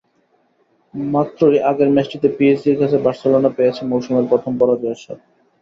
মাত্রই আগের ম্যাচটিতে পিএসজির কাছে বার্সেলোনা পেয়েছে মৌসুমের প্রথম পরাজয়ের স্বাদ।